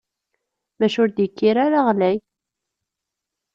Maca ur d-yekkir ara ɣlay?